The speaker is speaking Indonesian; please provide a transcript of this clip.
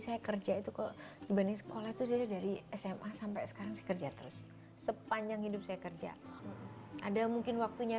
saya kerja itu kok dibanding sekolah itu jadi dari sma sampai sekarang kerja terus sepanjang hidup saya